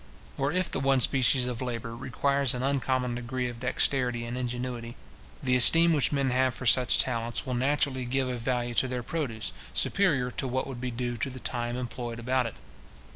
Or if the one species of labour requires an uncommon degree of dexterity and ingenuity, the esteem which men have for such talents, will naturally give a value to their produce, superior to what would be due to the time employed about it.